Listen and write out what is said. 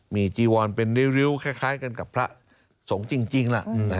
มีจีวอนเป็นริ้วคล้ายกันกับพระสงฆ์จริงล่ะ